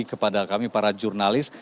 kepada kami para jurnalis